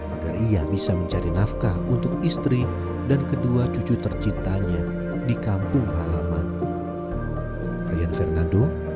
agar ia bisa mencari nafkah untuk istri dan kedua cucu tercintanya di kampung halaman